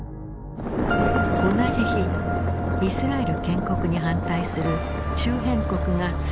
同じ日イスラエル建国に反対する周辺国が宣戦布告。